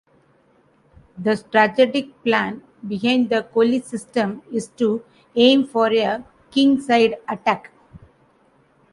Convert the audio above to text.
The strategic plan behind the Colle System is to aim for a kingside attack.